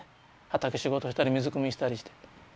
畑仕事したり水くみしたりして。